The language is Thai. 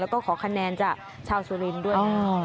แล้วก็ขอคะแนนจากชาวสุรินทร์ด้วยนะ